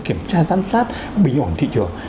kiểm tra giám sát bình ổn thị trường